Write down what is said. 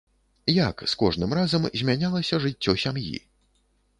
Як з кожным разам змянялася жыццё сям'і?